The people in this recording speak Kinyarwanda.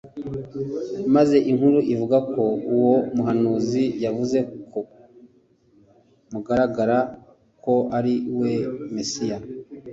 Maze inkuru ivuga ko uwo muhanuzi yavuze ku mugaragaro ko ari We Mesiya.